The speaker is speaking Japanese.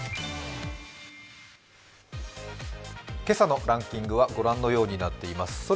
今朝のランキングは御覧のようになっています。